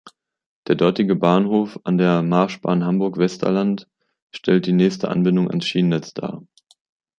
Der dortige Bahnhof an der Marschbahn Hamburg–Westerland stellt die nächste Anbindung ans Schienennetz dar.